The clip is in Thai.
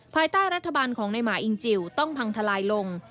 ภายใต้รัฐบาลของในหมาอิงจิลต้องพังทลายลง